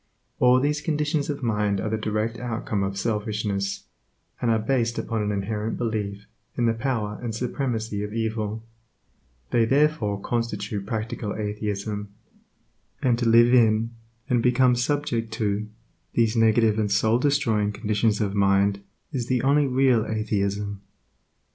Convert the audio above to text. All these conditions of mind are the direct outcome of selfishness, and are based upon an inherent belief in the power and supremacy of evil; they therefore constitute practical atheism; and to live in, and become subject to, these negative and soul destroying conditions of mind is the only real atheism.